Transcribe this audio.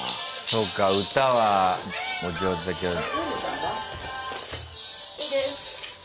そうか歌はお上手だけど。